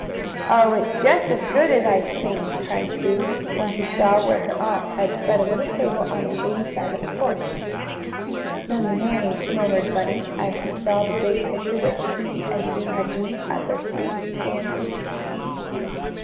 "Oh, it's just as good as ice cream!" cried Sue, when she saw where her aunt had spread a little table, on the shady side of the porch. "Lemonade!" murmured Bunny, as he saw the big pitcher which he and Sue had used at their street stand.